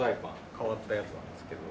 変わったやつなんですけど。